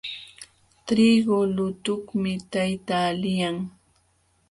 Trigu lutuqmi tayta liyan.